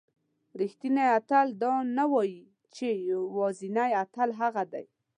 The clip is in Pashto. رښتینی اتل دا نه وایي چې یوازینی اتل هغه دی.